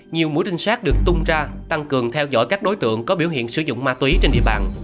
nhiều mũi trinh sát được tung ra tăng cường theo dõi các đối tượng có biểu hiện sử dụng ma túy trên địa bàn